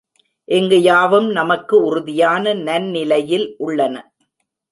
இங்கு யாவும் நமக்கு உறுதியான நன்னிலையில் உள்ளன.